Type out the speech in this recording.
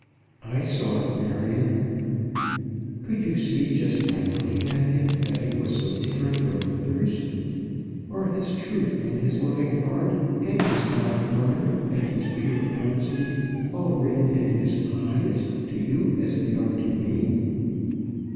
"I saw it, Marion." "Could you see just by looking at him that he was so different from others? Are his truth, and his loving heart, and his high honour, and his pure honesty, all written in his eyes, to you as they are to me?